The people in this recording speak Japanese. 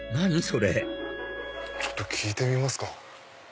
それちょっと聞いてみますか。